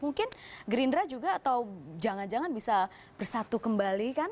mungkin gerindra juga atau jangan jangan bisa bersatu kembali kan